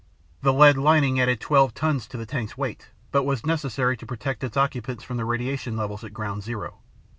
The lead lining added 12 tons to the tank's weight, but was necessary to protect its occupants from the radiation levels at ground zero.